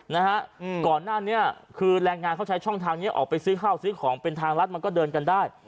นะฮะอืมก่อนหน้านี้คือแรงงานเขาใช้ช่องทางเนี้ยออกไปซื้อข้าวซื้อของเป็นทางรัฐมันก็เดินกันได้